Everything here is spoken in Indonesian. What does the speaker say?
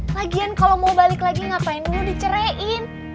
lagian kalo mau balik lagi ngapain dulu dicerein